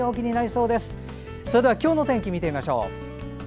それでは今日の天気を見てみましょう。